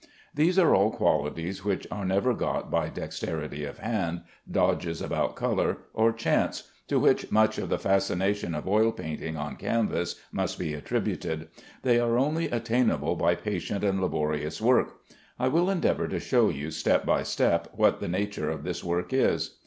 These are all qualities which are never got by dexterity of hand, dodges about color, or chance, to which much of the fascination of oil painting on canvas must be attributed. They are only attainable by patient and laborious work. I will endeavor to show you, step by step, what the nature of this work is.